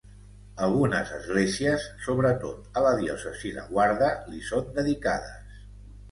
Algunes esglésies, sobretot a la diòcesi de Guarda, li són dedicades.